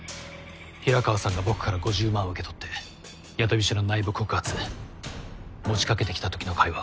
平川さんが僕から５０万受け取って八飛署の内部告発持ちかけてきたときの会話